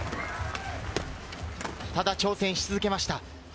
ただ挑戦し続けました。